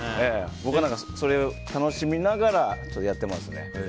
僕なんかはそれを楽しみながらやってますね。